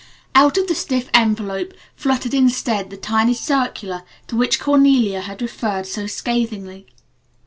Out of the stiff envelope fluttered instead the tiny circular to which Cornelia had referred so scathingly.